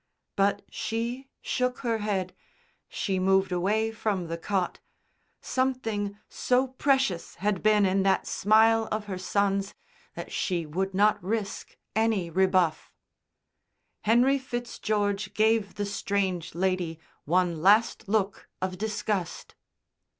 But she shook her head. She moved away from the cot. Something so precious had been in that smile of her son's that she would not risk any rebuff. Henry Fitzgeorge gave the strange lady one last look of disgust.